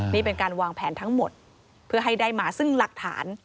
นี่เป็นการวางแผนทั้งหมดเพื่อให้ได้มาซึ่งหลักฐาน